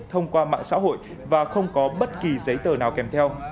thông qua mạng xã hội và không có bất kỳ giấy tờ nào kèm theo